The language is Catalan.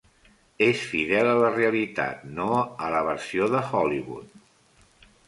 És fidel a la realitat, no a la versió de Hollywood.